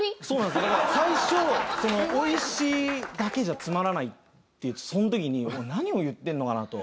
だから最初「美味しいだけじゃつまらない」ってその時に何を言ってるのかな？と。